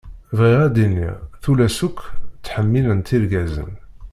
Bɣiɣ ad d-iniɣ tullas akk ttḥemmilent irgazen.